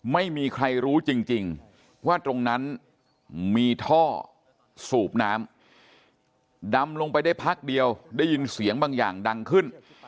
ไม่มีใครรู้จริงว่าตรงนั้นมีท่อสูบน้ำดำลงไปได้พักเดียวได้ยินเสียงบางอย่างดังขึ้น